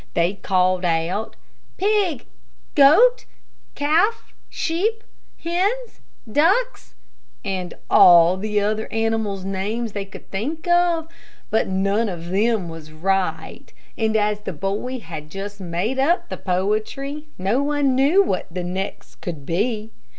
They called out, "Pig," "Goat," "Calf," "Sheep," "Hens," "Ducks," and all the other animals' names they could think of, but none of them was right, and as the boy had just made up the poetry, no one knew what the next could be.